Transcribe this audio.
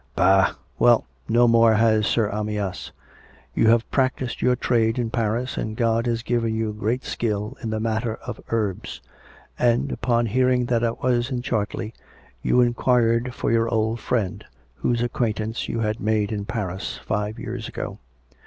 " Bah I ... Well, no more has Sir Amyas !... You have practised your trade in Paris, and God has given you great skill in the matter of herbs. And, upon hearing that I was in Chartlcy, you inquired for your old friend, whose acquaintance you had made in Paris, five years ago.